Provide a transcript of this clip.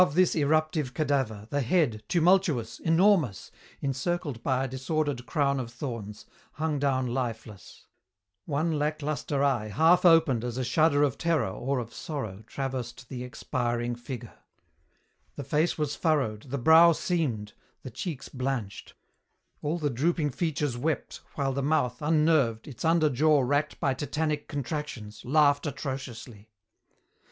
Above this eruptive cadaver, the head, tumultuous, enormous, encircled by a disordered crown of thorns, hung down lifeless. One lacklustre eye half opened as a shudder of terror or of sorrow traversed the expiring figure. The face was furrowed, the brow seamed, the cheeks blanched; all the drooping features wept, while the mouth, unnerved, its under jaw racked by tetanic contractions, laughed atrociously.